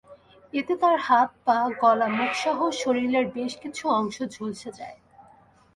এতে তাঁর হাত, পা, গলা-মুখসহ শরীরের বেশ কিছু অংশ ঝলসে যায়।